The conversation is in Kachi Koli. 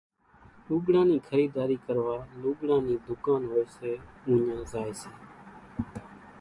لوڳڙان نِي خريڌاري ڪروا لوڳڙان نِي ڌُڪانون ھوئي سي اُوڃان زائي سي